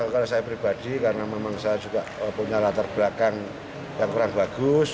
kalau saya pribadi karena memang saya juga punya latar belakang yang kurang bagus